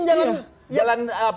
jalan negara ini ada dua ribu